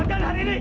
gajarkan hari ini